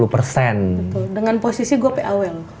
betul dengan posisi gue pao ya lo